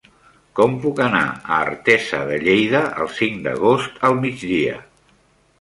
Com puc anar a Artesa de Lleida el cinc d'agost al migdia?